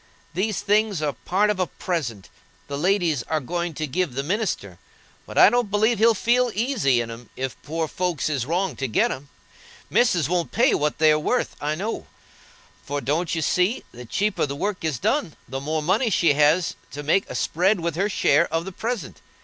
These things are part of a present, the ladies are going to give the minister; but I don't believe he'll feel easy in 'em if poor folks is wronged to get 'em. Missis won't pay what they are worth, I know; for, don't you see, the cheaper the work is done, the more money she has to make a spread with her share of the present?